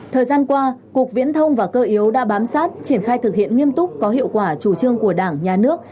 thời gian qua cục viễn thông và cơ yếu đã bám sát triển khai thực hiện nghiêm túc có hiệu quả chủ trương của đảng nhà nước